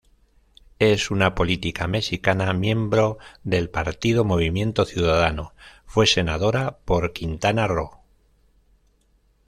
Es una política mexicana, miembro del Partido Movimiento Ciudadano, fue senadora por Quintana Roo.